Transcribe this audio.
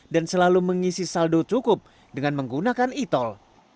dan selalu mengisi saldo cukup dengan menggunakan e tol